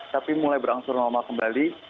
tapi mulai berangsur normal kembali